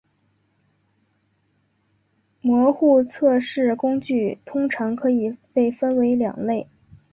模糊测试工具通常可以被分为两类。